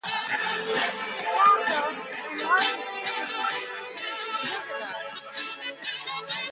Its capital and largest city is Hurghada.